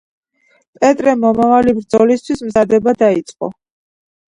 პეტრე მომავალი ბრძოლისთვის მზადება დაიწყო.